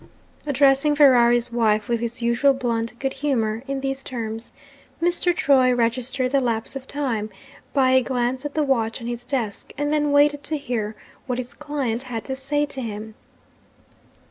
Addressing Ferrari's wife, with his usual blunt good humour, in these terms, Mr. Troy registered the lapse of time by a glance at the watch on his desk, and then waited to hear what his client had to say to him.